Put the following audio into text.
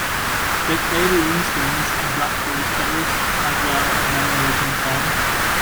They played Rolling Stones and Black Crowes covers as well as many original songs.